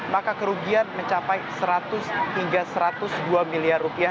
maka kerugian mencapai seratus hingga satu ratus dua miliar rupiah